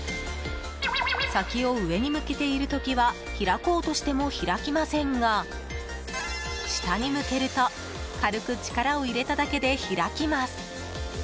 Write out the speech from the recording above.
先を上に向けている時は開こうとしても開きませんが下に向けると軽く力を入れただけで開きます。